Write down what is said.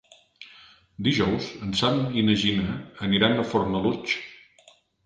Dijous en Sam i na Gina aniran a Fornalutx.